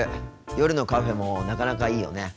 夜のカフェもなかなかいいよね。